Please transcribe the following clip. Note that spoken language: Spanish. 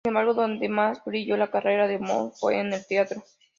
Sin embargo, donde más brilló la carrera de Mount fue en el teatro.